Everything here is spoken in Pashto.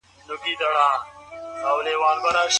په لاس لیکل د خپل ځان سره د خبرو کولو یو ډول دی.